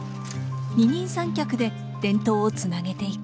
二人三脚で伝統をつなげていく。